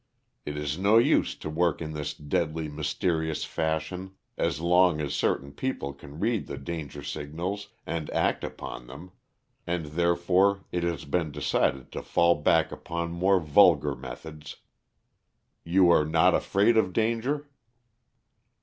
It is no use to work in this deadly mysterious fashion as long as certain people can read the danger signals and act upon them, and therefore it has been decided to fall back upon more vulgar methods. You are not afraid of danger?"